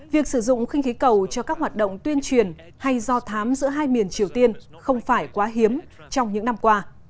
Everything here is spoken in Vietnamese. việc sử dụng khinh khí cầu cho các hoạt động tuyên truyền hay do thám giữa hai miền triều tiên không phải quá hiếm trong những năm qua